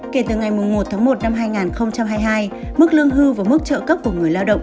kể từ ngày một tháng một năm hai nghìn hai mươi hai mức lương hưu và mức trợ cấp của người lao động